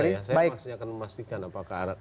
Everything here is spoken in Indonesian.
saya pasti akan memastikan apakah